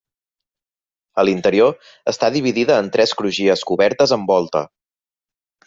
A l'interior està dividida en tres crugies cobertes amb volta.